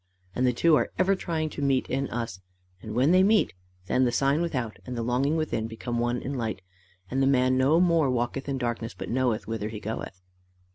And the two are ever trying to meet in us; and when they meet, then the sign without, and the longing within, become one in light, and the man no more walketh in darkness, but knoweth whither he goeth."